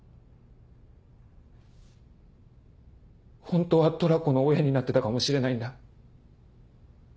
本当はトラコの親になってたかもしれないんだ。